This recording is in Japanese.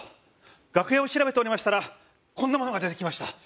楽屋を調べておりましたらこんなものが出てきました。